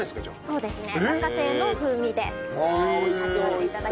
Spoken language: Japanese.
そうですね。